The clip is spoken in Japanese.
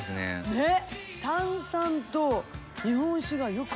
ねっ。